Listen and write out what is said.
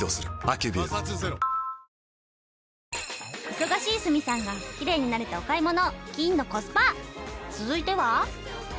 忙しい鷲見さんが奇麗になれたお買い物金のコスパ続いては？